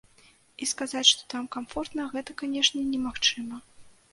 І сказаць, што там камфортна гэта, канешне, немагчыма.